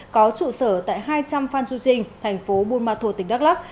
có trụ sở tại hai trăm linh phan chu trinh thành phố buôn ma thuột tỉnh đắk lắc